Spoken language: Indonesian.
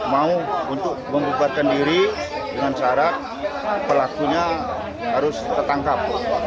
mau untuk membubarkan diri dengan syarat pelakunya harus tertangkap